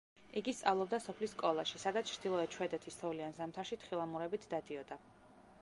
იგი სწავლობდა სოფლის სკოლაში, სადაც ჩრდილოეთ შვედეთის თოვლიან ზამთარში თხილამურებით დადიოდა.